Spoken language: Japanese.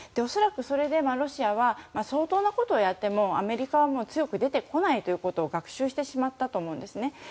恐らくそれでロシアは相当なことをやってもアメリカは強く出てこないということを学習してしまったと思うんですね。